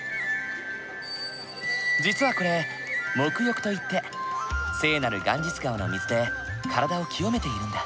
実はこれ沐浴といって聖なるガンジス川の水で体を清めているんだ。